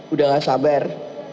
udah gak sabar